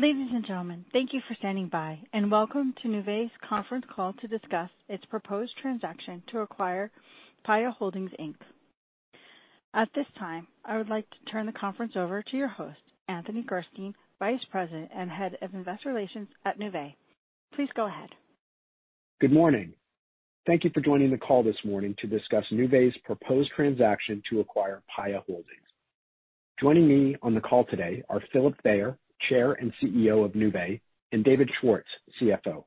Ladies and gentlemen, thank you for standing by and welcome to Nuvei's conference call to discuss its proposed transaction to acquire Paya Holdings Inc. At this time, I would like to turn the conference over to your host, Anthony Gerstein, Vice President and Head of Investor Relations at Nuvei. Please go ahead. Good morning. Thank you for joining the call this morning to discuss Nuvei's proposed transaction to acquire Paya Holdings. Joining me on the call today are Philip Fayer, Chair and CEO of Nuvei, and David Schwartz, CFO.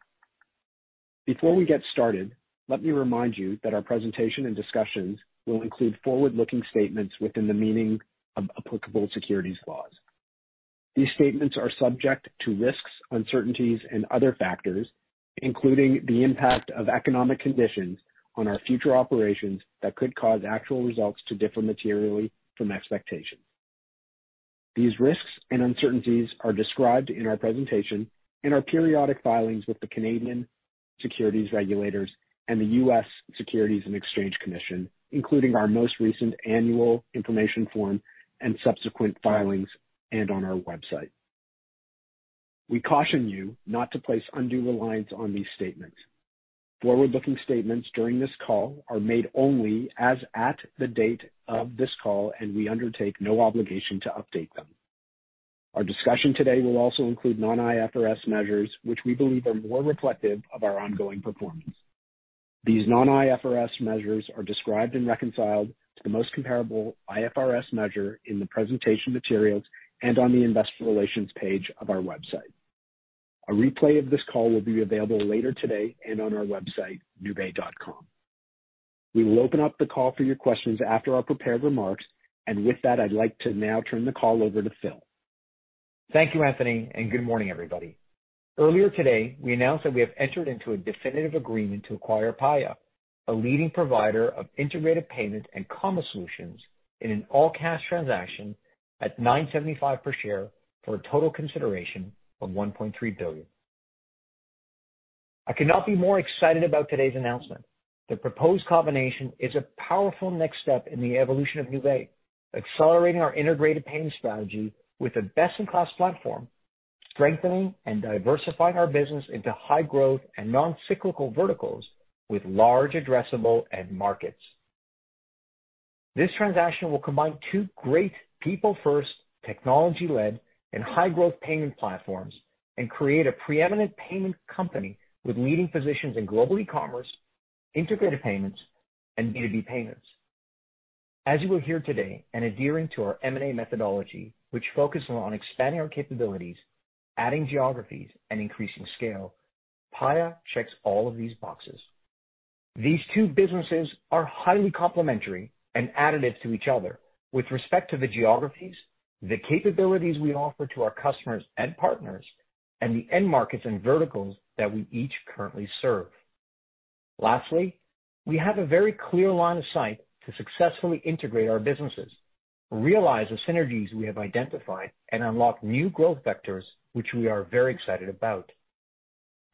Before we get started, let me remind you that our presentation and discussions will include forward-looking statements within the meaning of applicable securities laws. These statements are subject to risks, uncertainties, and other factors, including the impact of economic conditions on our future operations that could cause actual results to differ materially from expectations. These risks and uncertainties are described in our presentation in our periodic filings with the Canadian securities regulators and the U.S. Securities and Exchange Commission, including our most recent Annual Information Form and subsequent filings and on our website. We caution you not to place undue reliance on these statements. Forward-looking statements during this call are made only as at the date of this call, and we undertake no obligation to update them. Our discussion today will also include non-IFRS measures, which we believe are more reflective of our ongoing performance. These non-IFRS measures are described and reconciled to the most comparable IFRS measure in the presentation materials and on the investor relations page of our website. A replay of this call will be available later today and on our website, nuvei.com. We will open up the call for your questions after our prepared remarks, and with that, I'd like to now turn the call over to Phil. Thank you, Anthony, and good morning, everybody. Earlier today, we announced that we have entered into a definitive agreement to acquire Paya, a leading provider of integrated payment and commerce solutions in an all-cash transaction at $9.75 per share for a total consideration of $1.3 billion. I could not be more excited about today's announcement. The proposed combination is a powerful next step in the evolution of Nuvei, accelerating our integrated payment strategy with a best-in-class platform, strengthening and diversifying our business into high growth and non-cyclical verticals with large addressable end markets. This transaction will combine two great people-first, technology-led, and high-growth payment platforms and create a preeminent payment company with leading positions in global e-commerce, integrated payments, and B2B payments. As you will hear today, adhering to our M&A methodology, which focuses on expanding our capabilities, adding geographies, and increasing scale, Paya checks all of these boxes. These two businesses are highly complementary and additive to each other with respect to the geographies, the capabilities we offer to our customers and partners, and the end markets and verticals that we each currently serve. Lastly, we have a very clear line of sight to successfully integrate our businesses, realize the synergies we have identified, and unlock new growth vectors, which we are very excited about.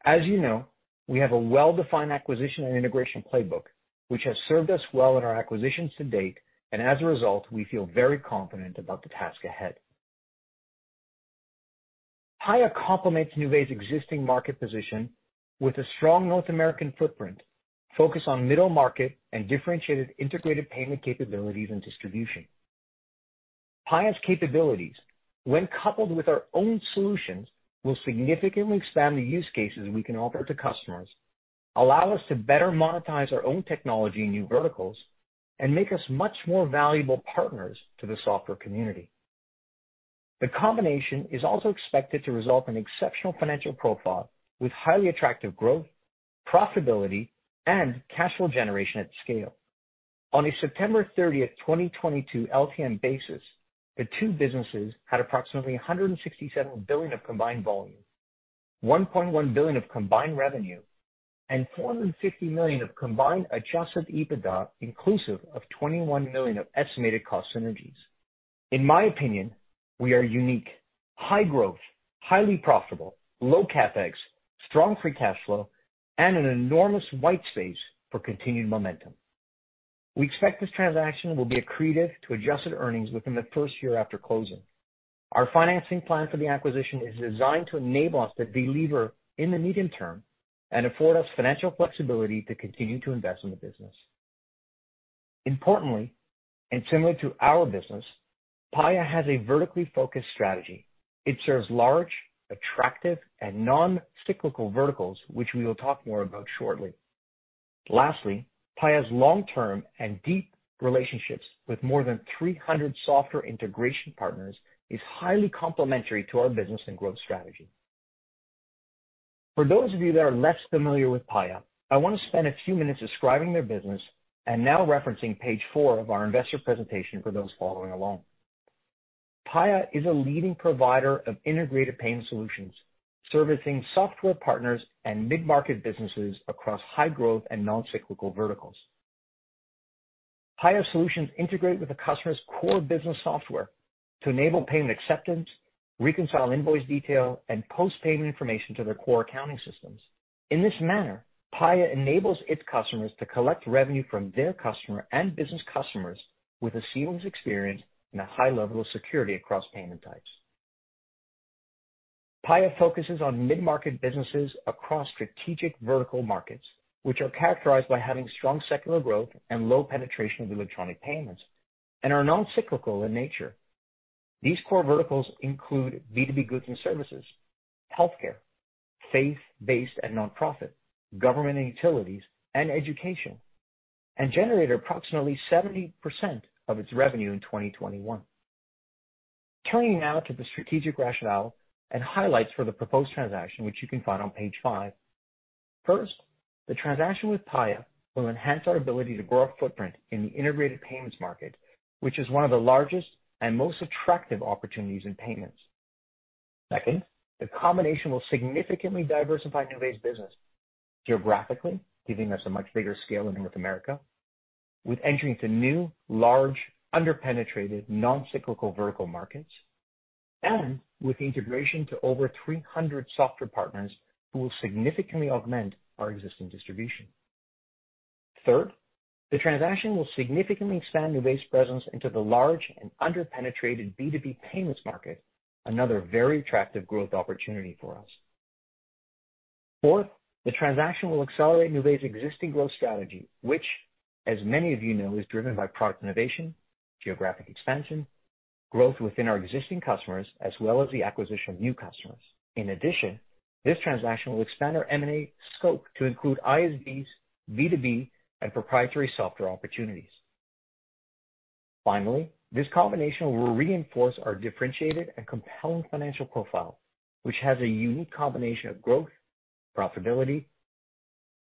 As you know, we have a well-defined acquisition and integration playbook, which has served us well in our acquisitions to date. As a result, we feel very confident about the task ahead. Paya complements Nuvei's existing market position with a strong North American footprint, focus on middle market and differentiated integrated payment capabilities and distribution. Paya's capabilities, when coupled with our own solutions, will significantly expand the use cases we can offer to customers, allow us to better monetize our own technology in new verticals, and make us much more valuable partners to the software community. The combination is also expected to result in exceptional financial profile with highly attractive growth, profitability, and cash flow generation at scale. On a September 30th, 2022 LTM basis, the two businesses had approximately $167 billion of combined volume, $1.1 billion of combined revenue, and $450 million of combined Adjusted EBITDA, inclusive of $21 million of estimated cost synergies. In my opinion, we are unique, high growth, highly profitable, low CapEx, strong free cash flow, and an enormous white space for continued momentum. We expect this transaction will be accretive to adjusted earnings within the first year after closing. Our financing plan for the acquisition is designed to enable us to delever in the medium term and afford us financial flexibility to continue to invest in the business. Importantly, similar to our business, Paya has a vertically focused strategy. It serves large, attractive, and non-cyclical verticals, which we will talk more about shortly. Lastly, Paya's long-term and deep relationships with more than 300 software integration partners is highly complementary to our business and growth strategy. For those of you that are less familiar with Paya, I want to spend a few minutes describing their business and now referencing page four of our investor presentation for those following along. Paya is a leading provider of integrated payment solutions, servicing software partners and mid-market businesses across high growth and non-cyclical verticals. Paya solutions integrate with the customer's core business software to enable payment acceptance, reconcile invoice detail, and post payment information to their core accounting systems. In this manner, Paya enables its customers to collect revenue from their customer and business customers with a seamless experience and a high level of security across payment types. Paya focuses on mid-market businesses across strategic vertical markets, which are characterized by having strong secular growth and low penetration of electronic payments and are non-cyclical in nature. These core verticals include B2B goods and services, healthcare, faith-based and nonprofit, government and utilities, and education, and generated approximately 70% of its revenue in 2021. Turning now to the strategic rationale and highlights for the proposed transaction, which you can find on page 5. First, the transaction with Paya will enhance our ability to grow our footprint in the integrated payments market, which is one of the largest and most attractive opportunities in payments. Second, the combination will significantly diversify Nuvei's business geographically, giving us a much bigger scale in North America with entry into new, large, under-penetrated, non-cyclical vertical markets, and with integration to over 300 software partners who will significantly augment our existing distribution. Third, the transaction will significantly expand Nuvei's presence into the large and under-penetrated B2B payments market, another very attractive growth opportunity for us. Fourth, the transaction will accelerate Nuvei's existing growth strategy, which, as many of you know, is driven by product innovation, geographic expansion, growth within our existing customers, as well as the acquisition of new customers. In addition, this transaction will expand our M&A scope to include ISVs, B2B, and proprietary software opportunities. Finally, this combination will reinforce our differentiated and compelling financial profile, which has a unique combination of growth, profitability,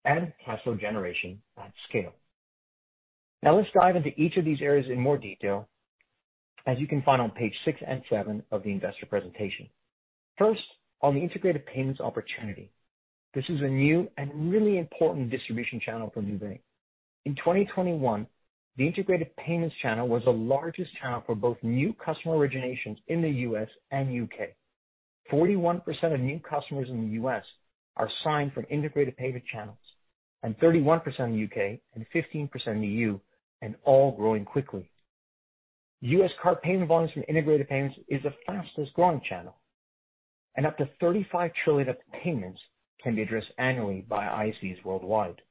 and cash flow generation at scale. Now let's dive into each of these areas in more detail as you can find on page six and seven of the investor presentation. First, on the integrated payments opportunity. This is a new and really important distribution channel for Nuvei. In 2021, the integrated payments channel was the largest channel for both new customer originations in the U.S. and U.K. 41% of new customers in the U.S. are signed from integrated payment channels, and 31% in the U.K. and 15% in the E.U., and all growing quickly. U.S. card payment volumes from integrated payments is the fastest-growing channel, and up to 35 trillion of payments can be addressed annually by ISVs worldwide.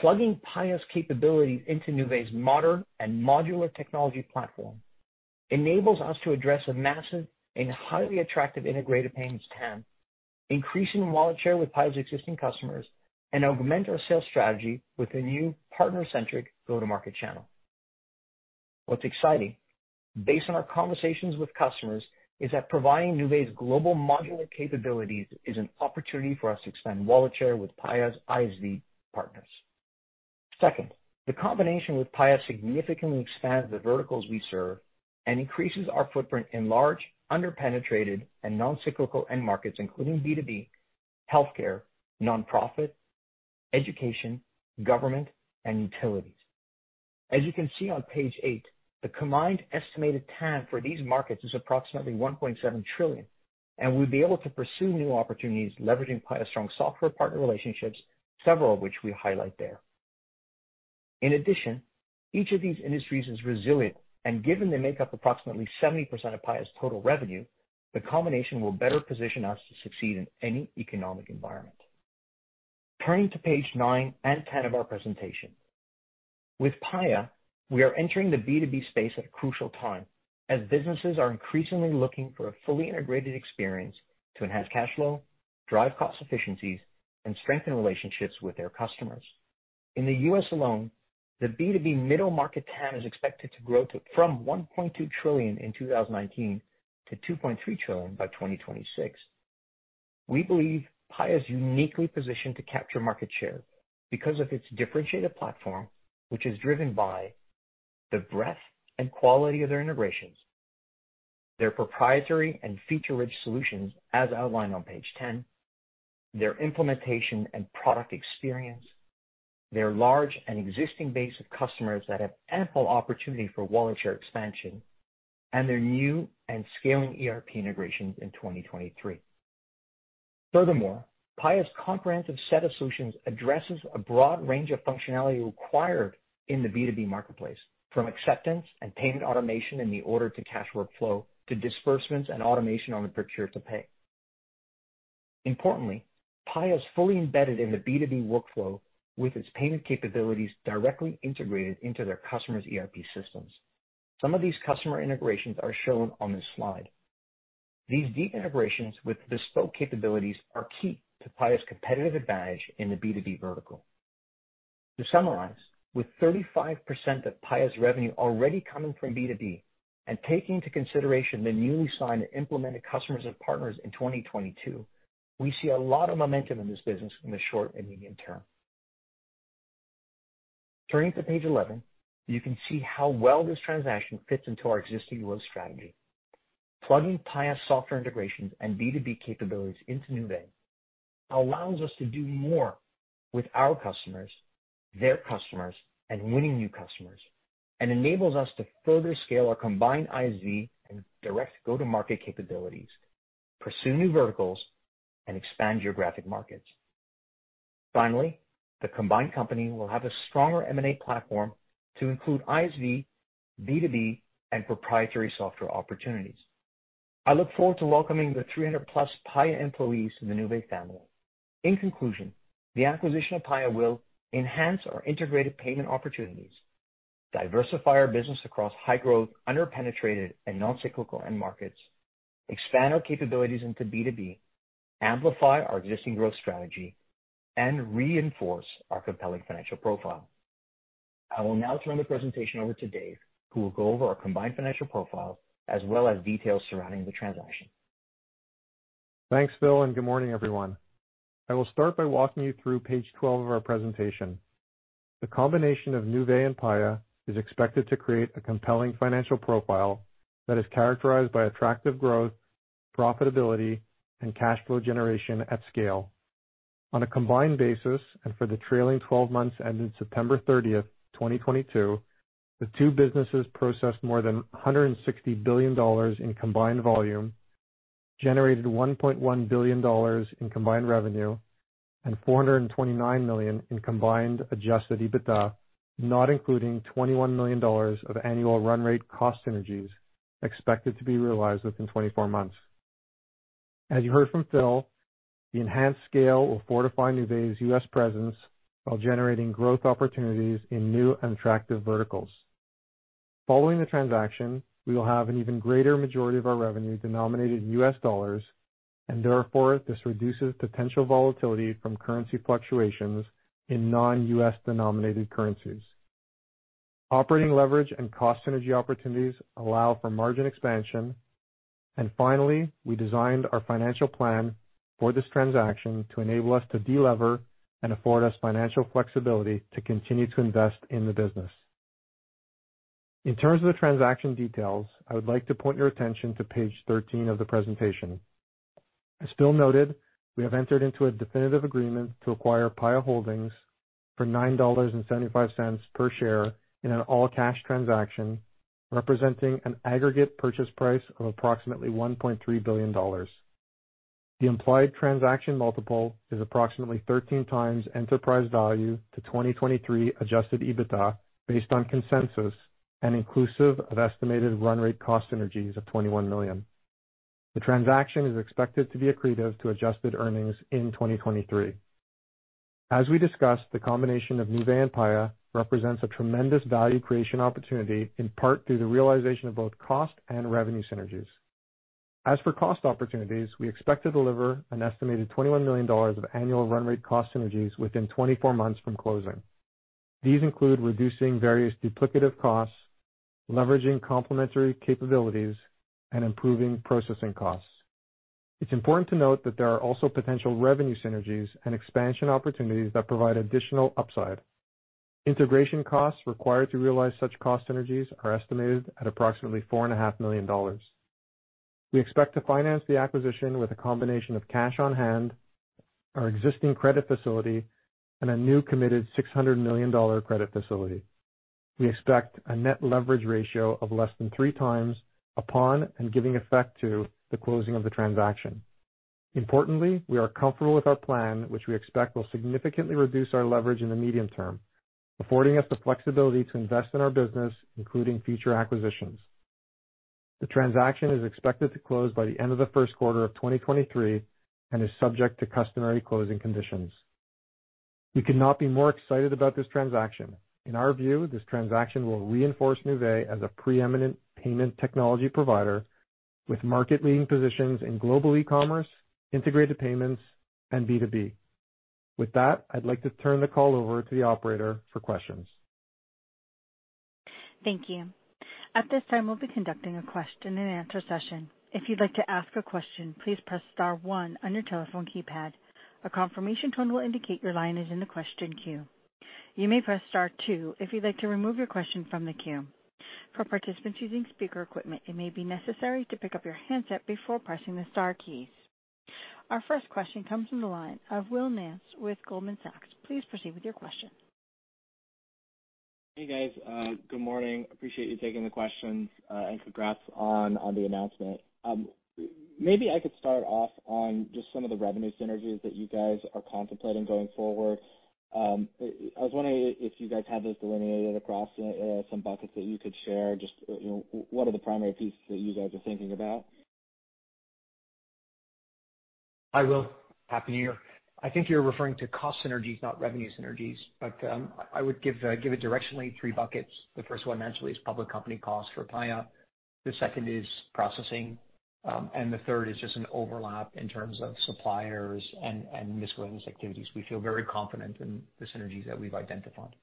Plugging Paya's capabilities into Nuvei's modern and modular technology platform enables us to address a massive and highly attractive integrated payments TAM, increasing wallet share with Paya's existing customers, and augment our sales strategy with a new partner-centric go-to-market channel. What's exciting, based on our conversations with customers, is that providing Nuvei's global modular capabilities is an opportunity for us to expand wallet share with Paya's ISV partners. Second, the combination with Paya significantly expands the verticals we serve and increases our footprint in large, under-penetrated and non-cyclical end markets, including B2B, healthcare, nonprofit, education, government, and utilities. As you can see on page eight, the combined estimated TAM for these markets is approximately $1.7 trillion, and we'll be able to pursue new opportunities leveraging Paya's strong software partner relationships, several of which we highlight there. In addition, each of these industries is resilient, and given they make up approximately 70% of Paya's total revenue, the combination will better position us to succeed in any economic environment. Turning to page nine and 10 of our presentation. With Paya, we are entering the B2B space at a crucial time, as businesses are increasingly looking for a fully integrated experience to enhance cash flow, drive cost efficiencies, and strengthen relationships with their customers. In the U.S. alone, the B2B middle market TAM is expected to grow to from $1.2 trillion in 2019 to $2.3 trillion by 2026. We believe Paya is uniquely positioned to capture market share because of its differentiated platform, which is driven by the breadth and quality of their integrations, their proprietary and feature-rich solutions, as outlined on page 10, their implementation and product experience, their large and existing base of customers that have ample opportunity for wallet share expansion, and their new and scaling ERP integrations in 2023. Paya's comprehensive set of solutions addresses a broad range of functionality required in the B2B marketplace, from acceptance and payment automation in the order-to-cash workflow to disbursements and automation on the procure-to-pay. Paya is fully embedded in the B2B workflow with its payment capabilities directly integrated into their customers' ERP systems. Some of these customer integrations are shown on this slide. These deep integrations with bespoke capabilities are key to Paya's competitive advantage in the B2B vertical. To summarize, with 35% of Paya's revenue already coming from B2B and taking into consideration the newly signed and implemented customers and partners in 2022, we see a lot of momentum in this business in the short and medium term. Turning to page 11, you can see how well this transaction fits into our existing growth strategy. Plugging Paya's software integrations and B2B capabilities into Nuvei allows us to do more with our customers-Their customers and winning new customers, and enables us to further scale our combined ISV and direct go-to-market capabilities, pursue new verticals, and expand geographic markets. Finally, the combined company will have a stronger M&A platform to include ISV, B2B, and proprietary software opportunities. I look forward to welcoming the 300 plus Paya employees in the Nuvei family. In conclusion, the acquisition of Paya will enhance our integrated payment opportunities, diversify our business across high-growth, under-penetrated and non-cyclical end markets, expand our capabilities into B2B, amplify our existing growth strategy and reinforce our compelling financial profile. I will now turn the presentation over to Dave, who will go over our combined financial profile as well as details surrounding the transaction. Thanks, Phil, and good morning, everyone. I will start by walking you through page 12 of our presentation. The combination of Nuvei and Paya is expected to create a compelling financial profile that is characterized by attractive growth, profitability and cash flow generation at scale. On a combined basis, and for the trailing 12 months ending September 30th, 2022, the two businesses processed more than $160 billion in combined volume, generated $1.1 billion in combined revenue and $429 million in combined Adjusted EBITDA, not including $21 million of annual run rate cost synergies expected to be realized within 24 months. As you heard from Phil, the enhanced scale will fortify Nuvei's U.S. presence while generating growth opportunities in new and attractive verticals. Following the transaction, we will have an even greater majority of our revenue denominated in U.S. dollars, and therefore this reduces potential volatility from currency fluctuations in non-U.S. denominated currencies. Operating leverage and cost synergy opportunities allow for margin expansion. Finally, we designed our financial plan for this transaction to enable us to delever and afford us financial flexibility to continue to invest in the business. In terms of the transaction details, I would like to point your attention to page 13 of the presentation. As Phil noted, we have entered into a definitive agreement to acquire Paya Holdings for $9.75 per share in an all-cash transaction, representing an aggregate purchase price of approximately $1.3 billion. The implied transaction multiple is approximately 13x enterprise value to 2023 Adjusted EBITDA based on consensus and inclusive of estimated run rate cost synergies of $21 million. The transaction is expected to be accretive to adjusted earnings in 2023. As we discussed, the combination of Nuvei and Paya represents a tremendous value creation opportunity, in part due to realization of both cost and revenue synergies. As for cost opportunities, we expect to deliver an estimated $21 million of annual run rate cost synergies within 24 months from closing. These include reducing various duplicative costs, leveraging complementary capabilities, and improving processing costs. It's important to note that there are also potential revenue synergies and expansion opportunities that provide additional upside. Integration costs required to realize such cost synergies are estimated at approximately four and a half million dollars. We expect to finance the acquisition with a combination of cash on-hand, our existing credit facility, and a new committed $600 million credit facility. We expect a net leverage ratio of less than 3x upon and giving effect to the closing of the transaction. Importantly, we are comfortable with our plan, which we expect will significantly reduce our leverage in the medium term, affording us the flexibility to invest in our business, including future acquisitions. The transaction is expected to close by the end of the first quarter of 2023 and is subject to customary closing conditions. We could not be more excited about this transaction. In our view, this transaction will reinforce Nuvei as a preeminent payment technology provider with market-leading positions in global e-commerce, integrated payments, and B2B. With that, I'd like to turn the call over to the operator for questions. Thank you. At this time, we'll be conducting a question-and-answer session. If you'd like to ask a question, please press star one on your telephone keypad. A confirmation tone will indicate your line is in the question queue. You may press star two if you'd like to remove your question from the queue. For participants using speaker equipment, it may be necessary to pick up your handset before pressing the star keys. Our first question comes from the line of Will Nance with Goldman Sachs. Please proceed with your question. Hey, guys, good morning. Appreciate you taking the questions. Congrats on the announcement. Maybe I could start off on just some of the revenue synergies that you guys are contemplating going forward. I was wondering if you guys have those delineated across some buckets that you could share. Just, you know, what are the primary pieces that you guys are thinking about? Hi, Will. Happy New Year. I think you're referring to cost synergies, not revenue synergies, but I would give it directionally three buckets. The first one naturally is public company costs for Paya, the second is processing, and the third is just an overlap in terms of suppliers and miscellaneous activities. We feel very confident in the synergies that we've identified.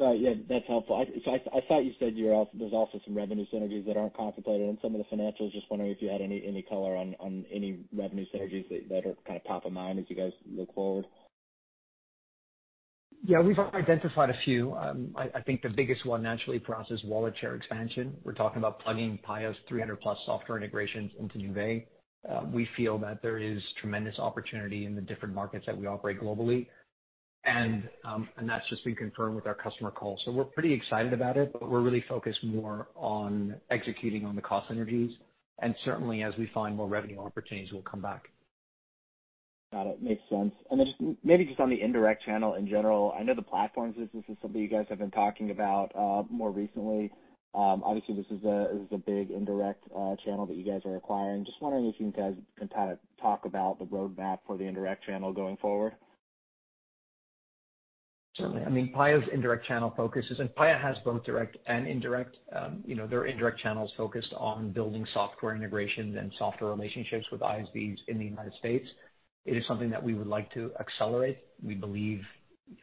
Right. Yeah, that's helpful. I thought you said you're also there's also some revenue synergies that aren't contemplated in some of the financials. Just wondering if you had any color on any revenue synergies that are kind of top of mind as you guys look forward. Yeah, we've identified a few. I think the biggest one naturally for us is wallet share expansion. We're talking about plugging Paya's 300+ software integrations into Nuvei. We feel that there is tremendous opportunity in the different markets that we operate globally, and that's just been confirmed with our customer calls. We're pretty excited about it, but we're really focused more on executing on the cost synergies. Certainly, as we find more revenue opportunities, we'll come back. Got it. Makes sense. Then just maybe just on the indirect channel in general, I know the platforms business is something you guys have been talking about more recently. Obviously this is a, this is a big indirect channel that you guys are acquiring. Just wondering if you guys can kinda talk about the roadmap for the indirect channel going forward. Certainly. I mean, Paya's indirect channel focus. Paya has both direct and indirect. you know, their indirect channel is focused on building software integrations and software relationships with ISVs in the United States. It is something that we would like to accelerate. We believe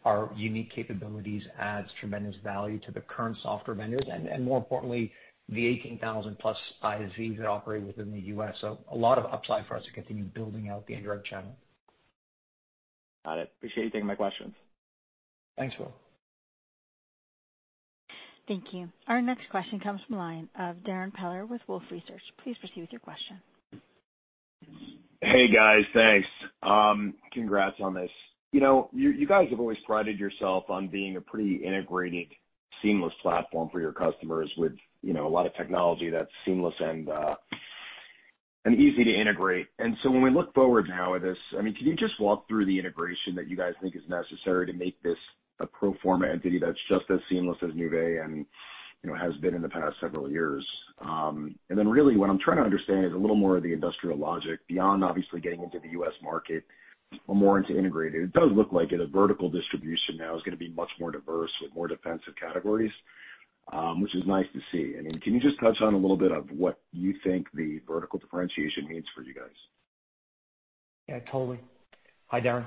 our unique capabilities adds tremendous value to the current software vendors and, more importantly, the 18,000 plus ISVs that operate within the U.S. A lot of upside for us to continue building out the indirect channel. Got it. Appreciate you taking my questions. Thanks, Will. Thank you. Our next question comes from the line of Darrin Peller with Wolfe Research. Please proceed with your question. Hey, guys. Thanks. Congrats on this. You know, you guys have always prided yourself on being a pretty integrated, seamless platform for your customers with, you know, a lot of technology that's seamless and easy to integrate. When we look forward now at this, I mean, can you just walk through the integration that you guys think is necessary to make this a pro forma entity that's just as seamless as Nuvei and, you know, has been in the past several years? Really what I'm trying to understand is a little more of the industrial logic beyond obviously getting into the U.S. market or more into integrated. It does look like in a vertical distribution now is gonna be much more diverse with more defensive categories, which is nice to see. I mean, can you just touch on a little bit of what you think the vertical differentiation means for you guys? Yeah, totally. Hi, Darrin.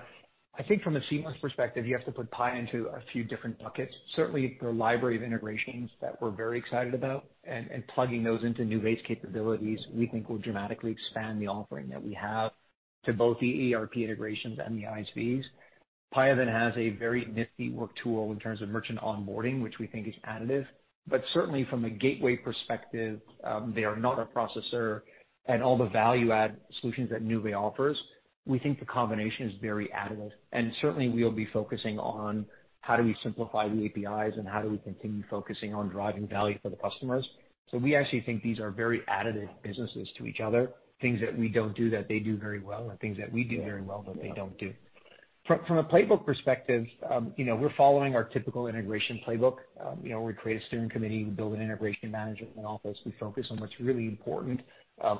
I think from a seamless perspective, you have to put Paya into a few different buckets. Certainly, their library of integrations that we're very excited about and plugging those into Nuvei's capabilities, we think will dramatically expand the offering that we have to both the ERP integrations and the ISVs. Paya has a very nifty work tool in terms of merchant onboarding, which we think is additive. Certainly from a gateway perspective, they are not a processor and all the value add solutions that Nuvei offers, we think the combination is very additive. Certainly we'll be focusing on how do we simplify the APIs and how do we continue focusing on driving value for the customers. We actually think these are very additive businesses to each other, things that we don't do that they do very well, and things that we do very well that they don't do. From a playbook perspective, you know, we're following our typical integration playbook. You know, we create a steering committee. We build an integration management office. We focus on what's really important,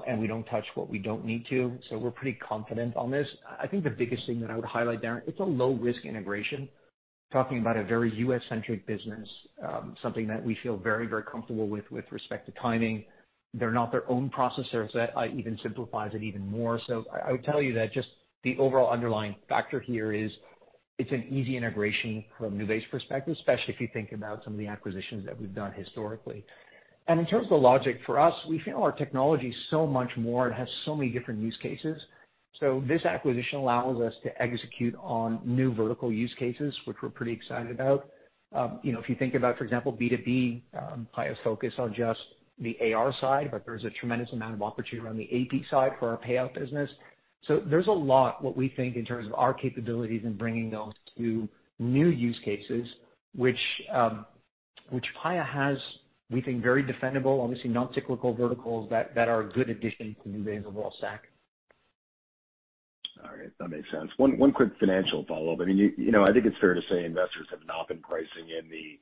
and we don't touch what we don't need to. We're pretty confident on this. I think the biggest thing that I would highlight, Darrin, it's a low risk integration. Talking about a very U.S.-centric business, something that we feel very, very comfortable with respect to timing. They're not their own processors. That even simplifies it even more. I would tell you that just the overall underlying factor here is it's an easy integration from Nuvei's perspective, especially if you think about some of the acquisitions that we've done historically. In terms of the logic for us, we feel our technology is so much more and has so many different use cases. This acquisition allows us to execute on new vertical use cases, which we're pretty excited about. You know, if you think about, for example, B2B, Paya's focus on just the AR side, but there's a tremendous amount of opportunity around the AP side for our payout business. There's a lot what we think in terms of our capabilities in bringing those to new use cases, which Paya has, we think very defendable, obviously non-cyclical verticals that are a good addition to Nuvei's overall stack. All right. That makes sense. One quick financial follow-up. I mean, you know, I think it's fair to say investors have not been pricing in the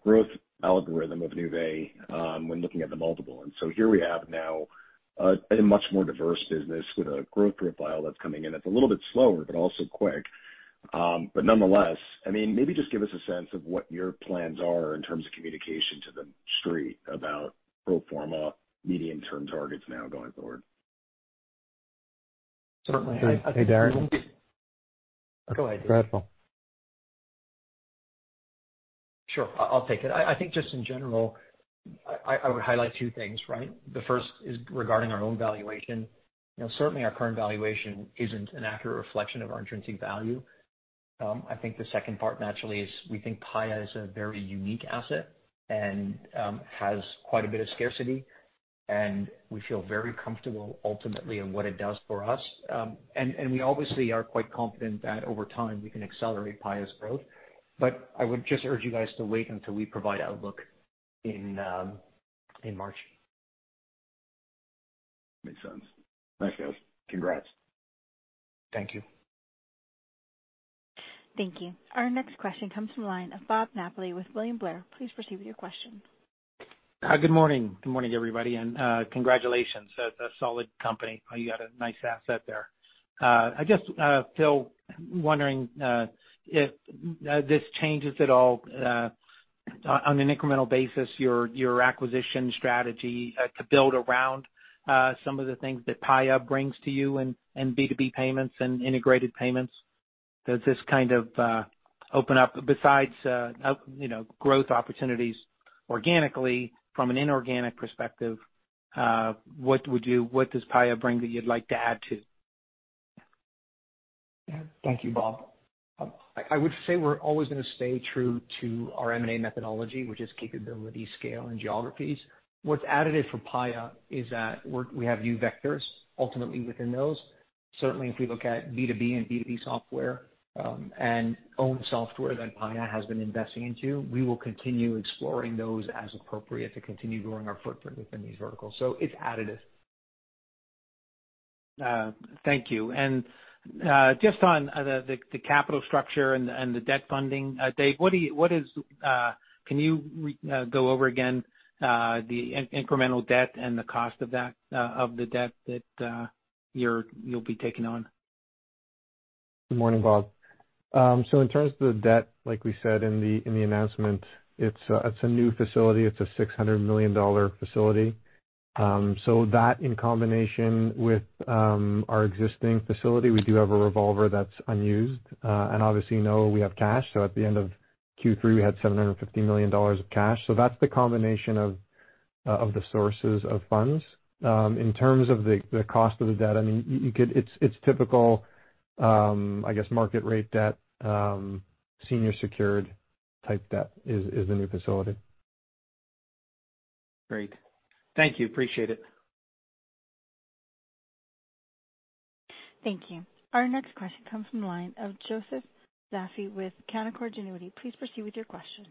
growth algorithm of Nuvei when looking at the multiple. Here we have now a much more diverse business with a growth profile that's coming in that's a little bit slower but also quick. Nonetheless, I mean, maybe just give us a sense of what your plans are in terms of communication to the Street about pro forma medium-term targets now going forward. Certainly. Hey, Darrin. Go ahead, Phil. Go ahead, Phil. Sure. I'll take it. I think just in general, I would highlight two things, right? The first is regarding our own valuation. You know, certainly our current valuation isn't an accurate reflection of our intrinsic value. I think the second part naturally is we think Paya is a very unique asset and has quite a bit of scarcity, and we feel very comfortable ultimately in what it does for us. We obviously are quite confident that over time we can accelerate Paya's growth. I would just urge you guys to wait until we provide outlook in March. Makes sense. Thanks, guys. Congrats. Thank you. Thank you. Our next question comes from the line of Bob Napoli with William Blair. Please proceed with your question. Good morning. Good morning, everybody, and congratulations. A solid company. You got a nice asset there. I just, Phil, wondering if this changes at all on an incremental basis, your acquisition strategy, to build around some of the things that Paya brings to you in B2B payments and integrated payments. Does this kind of open up besides, you know, growth opportunities organically from an inorganic perspective, what does Paya bring that you'd like to add to? Thank you, Bob. I would say we're always gonna stay true to our M&A methodology, which is capability, scale, and geographies. What's additive for Paya is that we have new vectors ultimately within those. Certainly, if we look at B2B and B2B software, and own software that Paya has been investing into, we will continue exploring those as appropriate to continue growing our footprint within these verticals. It's additive. Thank you. Just on the capital structure and the debt funding, Dave, can you go over again the incremental debt and the cost of that, of the debt that you'll be taking on? Good morning, Bob. In terms of the debt, like we said in the announcement, it's a new facility. It's a $600 million facility. That in combination with our existing facility, we do have a revolver that's unused. Obviously, you know, we have cash. At the end of Q3, we had $750 million of cash. That's the combination of the sources of funds. In terms of the cost of the debt, I mean, you could... It's typical, I guess, market rate debt, senior secured type debt is the new facility. Great. Thank you. Appreciate it. Thank you. Our next question comes from the line of Joseph Vafi with Canaccord Genuity. Please proceed with your question.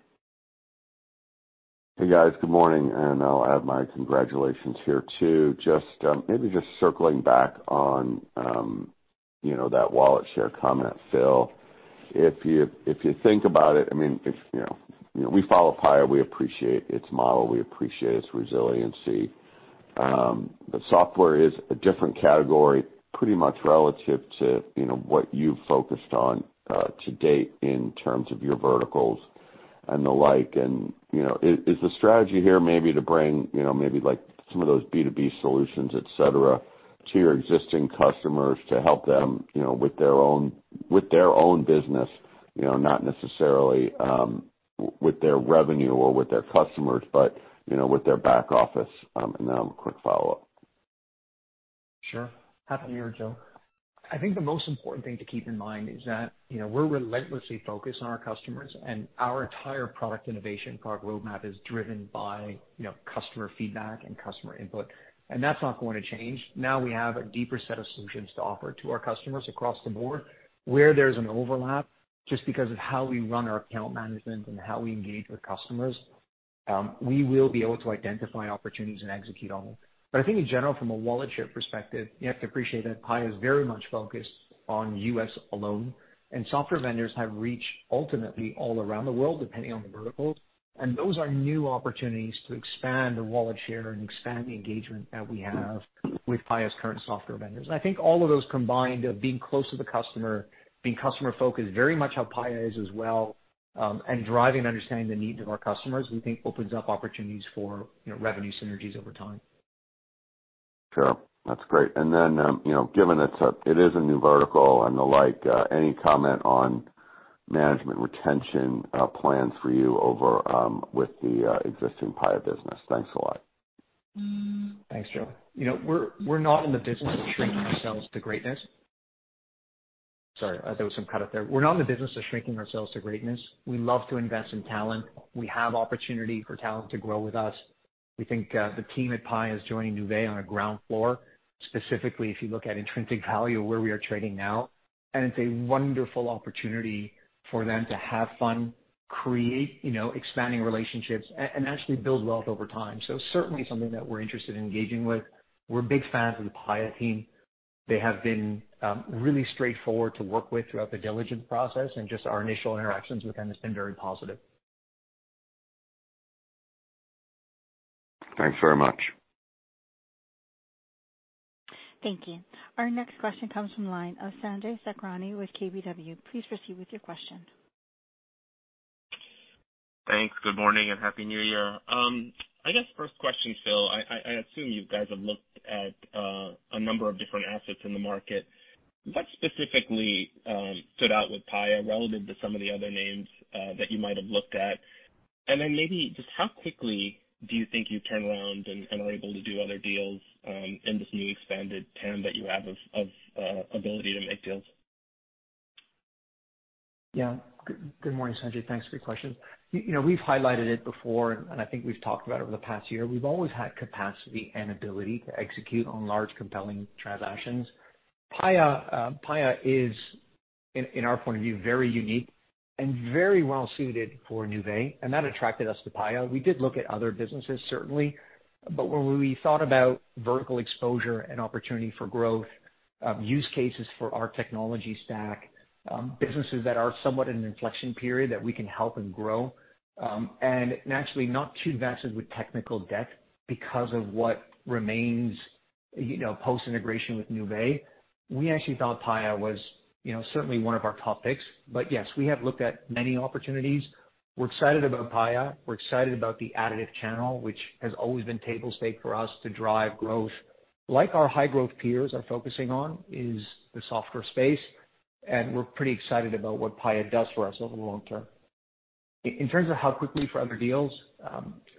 Hey, guys. Good morning, and I'll add my congratulations here too. Just maybe just circling back on, you know, that wallet share comment, Phil. If you, if you think about it, I mean, if, you know, you know, we follow Paya, we appreciate its model, we appreciate its resiliency. Software is a different category pretty much relative to, you know, what you've focused on to date in terms of your verticals and the like. You know, is the strategy here maybe to bring, you know, maybe like some of those B2B solutions, et cetera, to your existing customers to help them, you know, with their own, with their own business, you know, not necessarily with their revenue or with their customers, but, you know, with their back office? Then I have a quick follow-up. Sure. Happy to hear it, Joe. I think the most important thing to keep in mind is that, you know, we're relentlessly focused on our customers, and our entire product innovation product roadmap is driven by, you know, customer feedback and customer input, and that's not going to change. Now we have a deeper set of solutions to offer to our customers across the board. Where there's an overlap, just because of how we run our account management and how we engage with customers, we will be able to identify opportunities and execute on them. I think in general, from a wallet share perspective, you have to appreciate that Paya is very much focused on U.S. alone, and software vendors have reached ultimately all around the world, depending on the verticals. Those are new opportunities to expand the wallet share and expand the engagement that we have with Paya's current software vendors. I think all of those combined, being close to the customer, being customer-focused, very much how Paya is as well, and driving and understanding the needs of our customers, we think opens up opportunities for, you know, revenue synergies over time. Sure. That's great. You know, given it is a new vertical and the like, any comment on management retention plans for you over with the existing Paya business? Thanks a lot. Thanks, Joe. You know, we're not in the business of shrinking ourselves to greatness. Sorry, there was some cut out there. We're not in the business of shrinking ourselves to greatness. We love to invest in talent. We have opportunity for talent to grow with us. We think the team at Paya is joining Nuvei on a ground floor, specifically if you look at intrinsic value of where we are trading now. It's a wonderful opportunity for them to have fun, create, you know, expanding relationships and actually build wealth over time. Certainly something that we're interested in engaging with. We're big fans of the Paya team. They have been really straightforward to work with throughout the diligence process, and just our initial interactions with them has been very positive. Thanks very much. Thank you. Our next question comes from the line of Sanjay Sakhrani with KBW. Please proceed with your question. Thanks. Good morning and Happy New Year. I guess first question, Phil, I assume you guys have looked at a number of different assets in the market. What specifically stood out with Paya relative to some of the other names that you might have looked at? Then maybe just how quickly do you think you turn around and are able to do other deals in this new expanded TAM that you have of ability to make deals? Yeah. Good morning, Sanjay. Thanks for your question. You know, we've highlighted it before, and I think we've talked about over the past year, we've always had capacity and ability to execute on large, compelling transactions. Paya is in our point of view, very unique and very well suited for Nuvei, and that attracted us to Paya. We did look at other businesses, certainly. When we thought about vertical exposure and opportunity for growth, use cases for our technology stack, businesses that are somewhat in an inflection period that we can help and grow, and naturally not too vested with technical debt because of what remains, you know, post-integration with Nuvei, we actually thought Paya was, you know, certainly one of our top picks. Yes, we have looked at many opportunities. We're excited about Paya. We're excited about the additive channel, which has always been table stake for us to drive growth. Like our high growth peers are focusing on is the software space, and we're pretty excited about what Paya does for us over the long term. In terms of how quickly for other deals,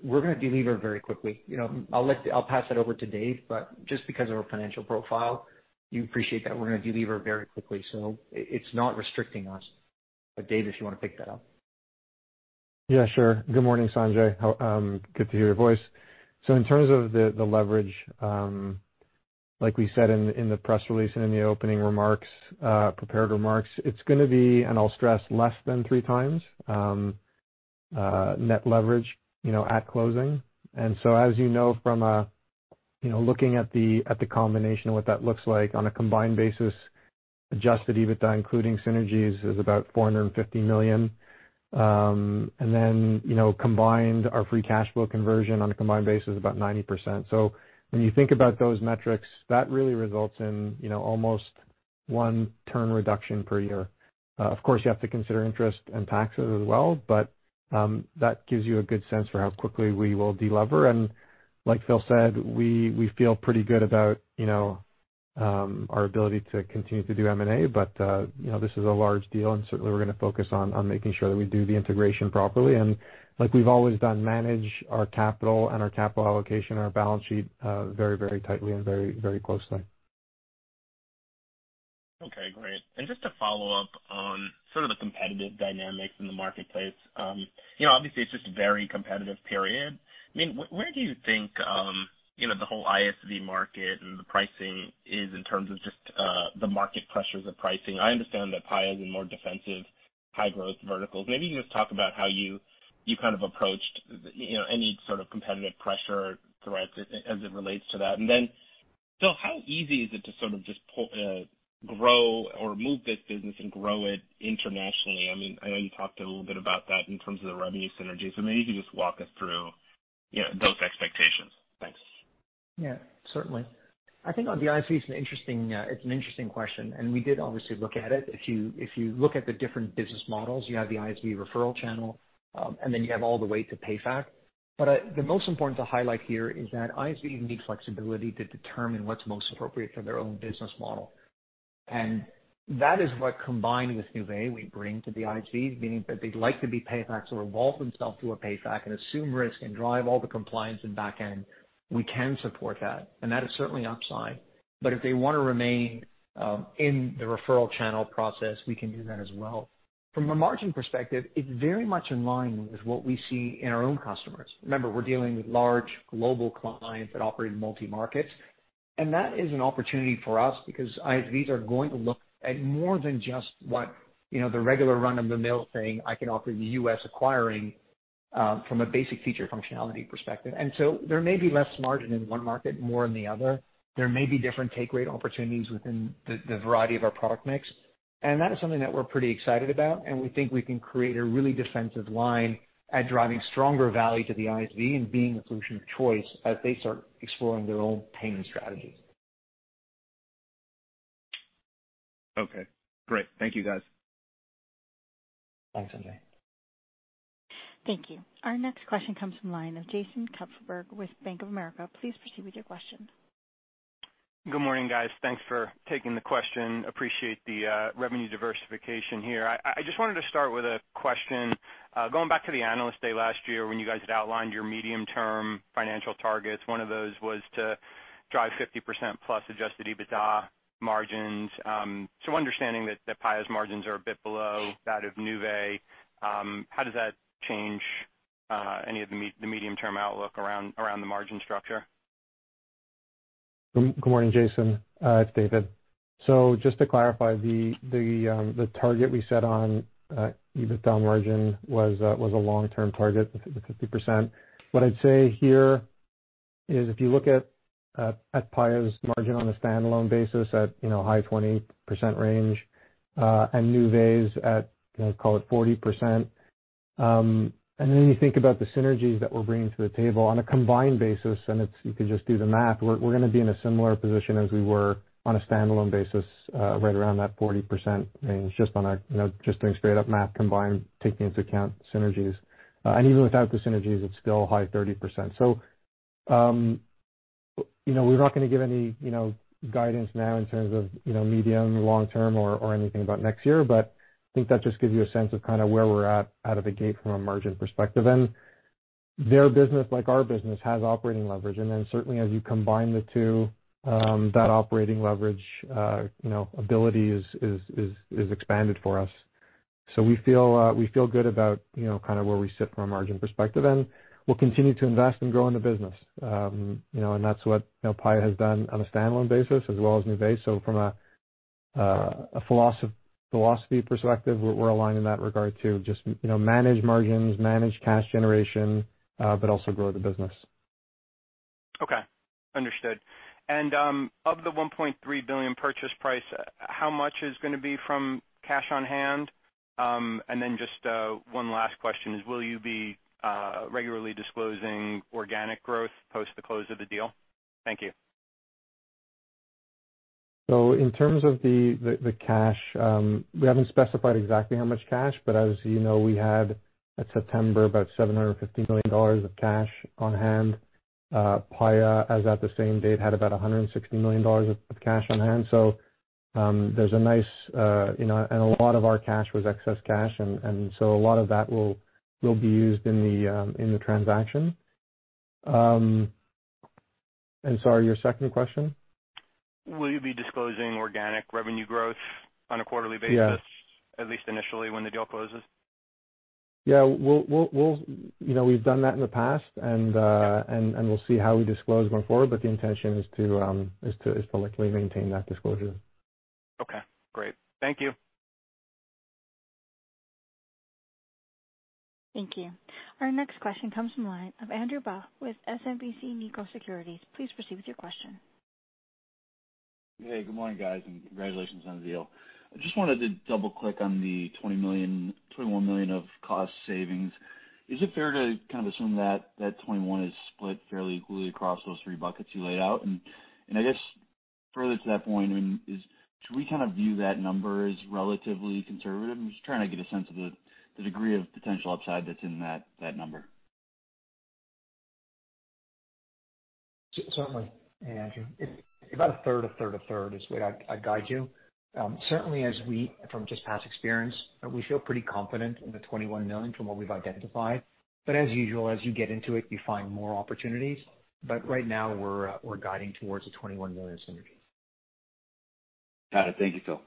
we're gonna delever very quickly. You know, I'll pass it over to Dave, but just because of our financial profile, you appreciate that we're gonna delever very quickly. It's not restricting us. Dave, if you wanna pick that up. Yeah, sure. Good morning, Sanjay. How good to hear your voice. In terms of the leverage, like we said in the press release and in the opening remarks, prepared remarks, it's gonna be, and I'll stress less than 3x times net leverage, you know, at closing. As you know from a, you know, looking at the combination of what that looks like on a combined basis, Adjusted EBITDA, including synergies, is about $450 million. Then, you know, combined our free cash flow conversion on a combined basis is about 90%. When you think about those metrics, that really results in, you know, almost one turn reduction per year. Of course, you have to consider interest and taxes as well, but that gives you a good sense for how quickly we will delever. Like Phil said, we feel pretty good about, you know, our ability to continue to do M&A. You know, this is a large deal, and certainly we're gonna focus on making sure that we do the integration properly. Like we've always done, manage our capital and our capital allocation and our balance sheet, very, very tightly and very, very closely. Okay, great. Just to follow up on sort of the competitive dynamics in the marketplace, you know, obviously it's just a very competitive period. I mean, where do you think, you know, the whole ISV market and the pricing is in terms of just the market pressures of pricing? I understand that Paya is a more defensive high growth verticals. Maybe you can just talk about how you kind of approached, you know, any sort of competitive pressure threats as it relates to that. Then, Phil, how easy is it to sort of just pull grow or move this business and grow it internationally? I mean, I know you talked a little bit about that in terms of the revenue synergies. Maybe you can just walk us through, you know, those expectations. Thanks. Yeah, certainly. I think on the ISV, it's an interesting, it's an interesting question, and we did obviously look at it. If you look at the different business models, you have the ISV referral channel, and then you have all the way to PayFac. The most important to highlight here is that ISV need flexibility to determine what's most appropriate for their own business model. That is what combined with Nuvei we bring to the ISV, meaning that they'd like to be PayFac or evolve themselves to a PayFac and assume risk and drive all the compliance and back-end, we can support that, and that is certainly upside. If they wanna remain in the referral channel process, we can do that as well. From a margin perspective, it's very much in line with what we see in our own customers. Remember, we're dealing with large global clients that operate in multi-markets, and that is an opportunity for us because ISVs are going to look at more than just what, you know, the regular run-of-the-mill thing I can offer the U.S. acquiring from a basic feature functionality perspective. There may be less margin in one market, more in the other. There may be different take rate opportunities within the variety of our product mix. That is something that we're pretty excited about, and we think we can create a really defensive line at driving stronger value to the ISV and being the solution of choice as they start exploring their own payment strategies. Okay, great. Thank you, guys. Thanks, Sanjay. Thank you. Our next question comes from line of Jason Kupferberg with Bank of America. Please proceed with your question. Good morning, guys. Thanks for taking the question. Appreciate the revenue diversification here. I just wanted to start with a question. Going back to the Analyst Day last year, when you guys had outlined your medium-term financial targets, one of those was to drive 50%+ Adjusted EBITDA margins. Understanding that the Paya's margins are a bit below that of Nuvei, how does that change any of the medium-term outlook around the margin structure? Good morning, Jason. It's David. Just to clarify, the target we set on EBITDA margin was a long-term target, the 50%. What I'd say here is if you look at Paya's margin on a standalone basis at, you know, high 20% range, and Nuvei's at, you know, call it 40%. Then you think about the synergies that we're bringing to the table on a combined basis, you can just do the math. We're gonna be in a similar position as we were on a standalone basis, right around that 40% range, just on a, you know, just doing straight-up math combined, taking into account synergies. Even without the synergies, it's still high 30%. We're not gonna give any, you know, guidance now in terms of, you know, medium or long term or anything about next year. I think that just gives you a sense of kind of where we're at out of the gate from a margin perspective. Their business, like our business, has operating leverage. Certainly as you combine the two, that operating leverage, you know, ability is expanded for us. We feel, we feel good about, you know, kind of where we sit from a margin perspective, and we'll continue to invest and grow in the business. You know, that's what, you know, Paya has done on a standalone basis as well as Nuvei. From a philosophy perspective, we're aligned in that regard too. Just, you know, manage margins, manage cash generation, also grow the business. Okay. Understood. Of the $1.3 billion purchase price, how much is gonna be from cash on hand? Then just one last question is, will you be regularly disclosing organic growth post the close of the deal? Thank you. In terms of the cash, we haven't specified exactly how much cash, as you know, we had at September about $750 million of cash on hand. Paya, as at the same date, had about $160 million of cash on hand. There's a nice, you know, and a lot of our cash was excess cash and so a lot of that will be used in the transaction. Sorry, your second question. Will you be disclosing organic revenue growth on a quarterly basis? Yes. At least initially when the deal closes? Yeah. We'll, you know, we've done that in the past and we'll see how we disclose going forward. The intention is to likely maintain that disclosure. Okay, great. Thank you. Thank you. Our next question comes from the line of Andrew Bauch with SMBC Nikko Securities. Please proceed with your question. Hey, good morning, guys, and congratulations on the deal. I just wanted to double-click on the $20 million, $21 million of cost savings. Is it fair to kind of assume that that $21 million is split fairly equally across those three buckets you laid out? I guess further to that point, I mean, can we kind of view that number as relatively conservative? I'm just trying to get a sense of the degree of potential upside that's in that number. Certainly. Hey, Andrew. About a third, a third, a third is the way I'd guide you. Certainly, from just past experience, we feel pretty confident in the $21 million from what we've identified. As usual, as you get into it, you find more opportunities. Right now we're guiding towards the $21 million synergies. Got it. Thank you, Phil.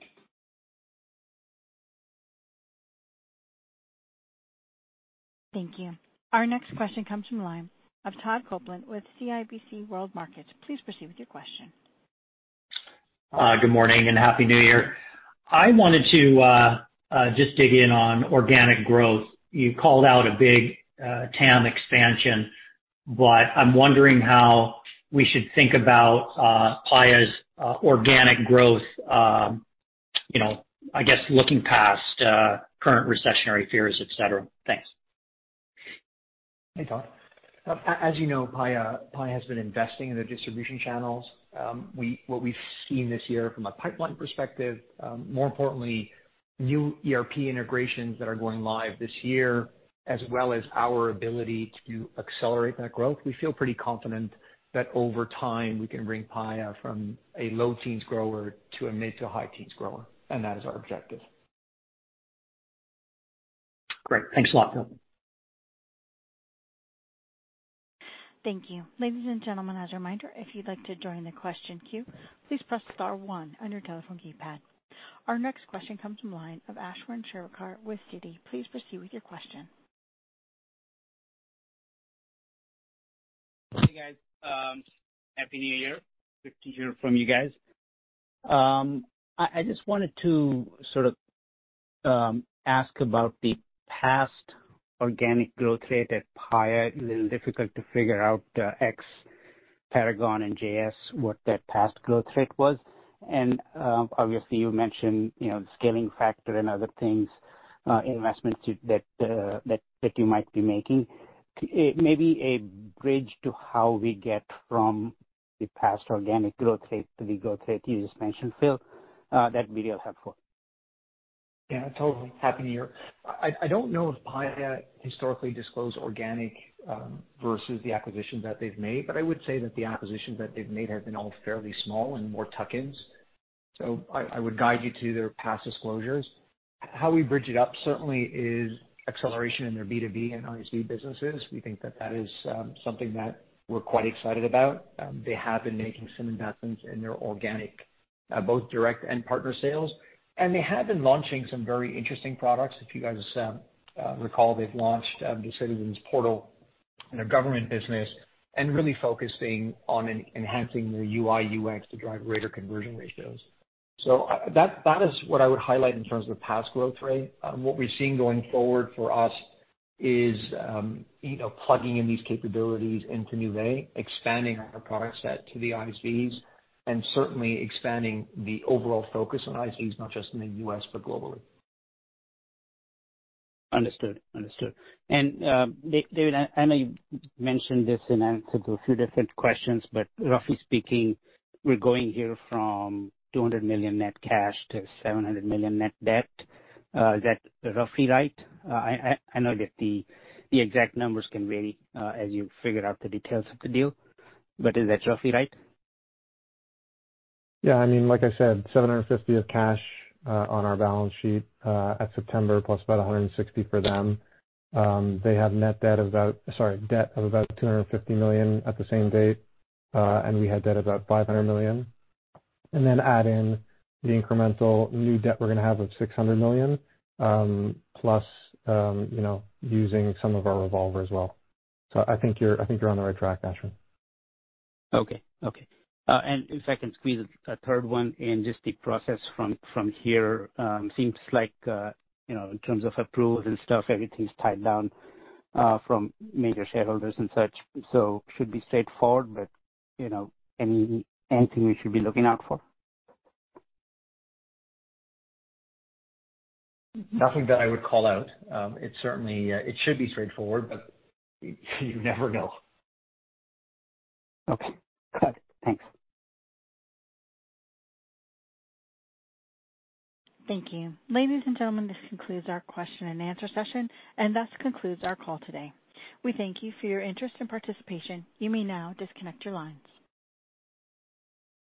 Thank you. Our next question comes from the line of Todd Coupland with CIBC World Markets. Please proceed with your question. Good morning and happy New Year. I wanted to just dig in on organic growth. You called out a big TAM expansion, but I'm wondering how we should think about Paya's organic growth, you know, I guess looking past current recessionary fears, et cetera. Thanks. Hey, Todd. As you know, Paya has been investing in their distribution channels. What we've seen this year from a pipeline perspective, more importantly, new ERP integrations that are going live this year, as well as our ability to accelerate that growth, we feel pretty confident that over time we can bring Paya from a low teens grower to a mid to high teens grower. That is our objective. Great. Thanks a lot, Phil. Thank you. Ladies and gentlemen, as a reminder, if you'd like to join the question queue, please press star one on your telephone keypad. Our next question comes from line of Ashwin Shirvaikar with Citi. Please proceed with your question. Hey, guys. Happy New Year. Good to hear from you guys. I just wanted to sort of ask about the past organic growth rate at Paya. A little difficult to figure out the ex Paragon and JS, what that past growth rate was. Obviously you mentioned, you know, the scaling factor and other things, investments to that you might be making. Maybe a bridge to how we get from the past organic growth rate to the growth rate you just mentioned, Phil, that'd be helpful. Yeah, totally. Happy New Year. I don't know if Paya historically disclosed organic versus the acquisitions that they've made, but I would say that the acquisitions that they've made have been all fairly small and more tuck-ins. I would guide you to their past disclosures. How we bridge it up certainly is acceleration in their B2B and ISV businesses. We think that that is something that we're quite excited about. They have been making some investments in their organic, both direct and partner sales. They have been launching some very interesting products. If you guys recall, they've launched the Citizen Portal in their government business and really focusing on enhancing their UI/UX to drive greater conversion ratios. That is what I would highlight in terms of past growth rate. What we're seeing going forward for us is, you know, plugging in these capabilities into Nuvei, expanding our product set to the ISVs, and certainly expanding the overall focus on ISVs, not just in the U.S., but globally. Understood. Understood. David, I know you mentioned this in answer to a few different questions, but roughly speaking, we're going here from $200 million net cash to $700 million net debt. Is that roughly right? I know that the exact numbers can vary, as you figure out the details of the deal, but is that roughly right? Yeah. I mean, like I said, $750 of cash on our balance sheet at September, plus about $160 for them. They have debt of about $250 million at the same date. We had debt about $500 million. Add in the incremental new debt we're gonna have of $600 million, plus, you know, using some of our revolver as well. I think you're on the right track, Ashwin. Okay. Okay. If I can squeeze a third one in, just the process from here, seems like, you know, in terms of approvals and stuff, everything's tied down, from major shareholders and such. Should be straightforward, but, you know, anything we should be looking out for? Nothing that I would call out. It certainly, it should be straightforward, but you never know. Okay. Got it. Thanks. Thank you. Ladies and gentlemen, this concludes our question-and-answer session, and thus concludes our call today. We thank you for your interest and participation. You may now disconnect your lines.